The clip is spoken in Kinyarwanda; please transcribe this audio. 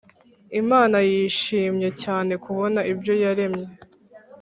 imana yishimye cyane kubona ibyo yaremye;